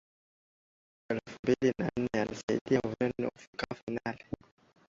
Mwaka wa elfu mbili na nne na alisaidia Ureno kufikia fainali